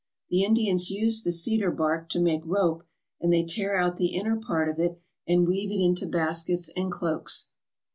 The In dians use the cedar bark to make rope, and they tear out the inner part of it and weave it into baskets and cloaks.